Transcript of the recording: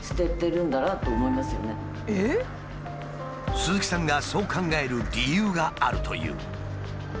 鈴木さんがそう考える理由があるという。